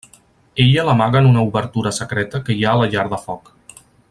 Ella l'amaga en una obertura secreta que hi ha a la llar de foc.